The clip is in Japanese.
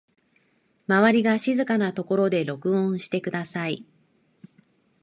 周りが静かなところで録音してください